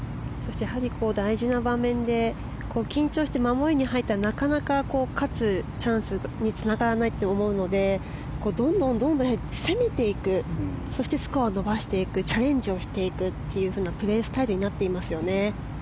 大事な場面で緊張して守りに入ったらなかなか勝つチャンスにつながらないと思うのでどんどん攻めていくそしてスコアを伸ばしていくチャレンジをしていくというプレースタイルになっていますよね。